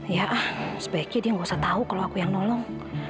ya ah sebaiknya dia nggak usah tahu kalau aku yang nolong